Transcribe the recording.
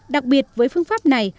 đặc biệt với phương pháp này